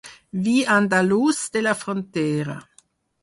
Vi andalús, de la Frontera.